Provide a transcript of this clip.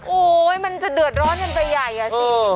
โอ้มันจะเดือดร้อนอย่างใบใหญ่อ่ะสิ